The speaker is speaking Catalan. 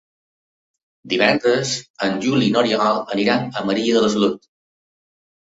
Divendres en Juli i n'Oriol aniran a Maria de la Salut.